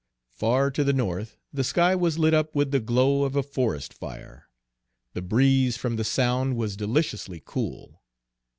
Far to the north the sky was lit up with the glow of a forest fire. The breeze from the Sound was deliciously cool.